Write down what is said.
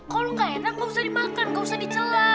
kalau enggak enak enggak usah dimakan enggak usah dicela